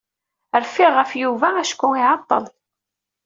Rfiɣ ɣef Yuba acku iɛeṭṭel.